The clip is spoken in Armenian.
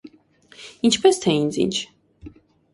- Ի՞նչպես թե ինձ ինչ: